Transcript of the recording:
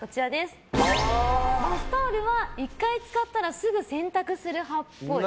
バスタオルは１回使ったらすぐ洗濯する派っぽい。